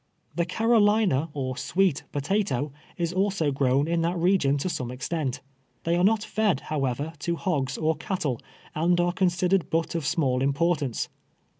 Tlie Carolina, or sweet potato, is also grown in that region to some extent. They are not fed, however, to hogs or cattle, and are considered but of small im portance.